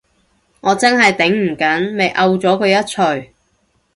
我真係頂唔緊，咪摳咗佢一鎚